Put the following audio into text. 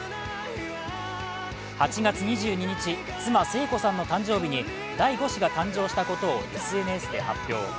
昨年８月２２日、妻、聖子さんの誕生日に第５子が誕生したことをＳＮＳで発表。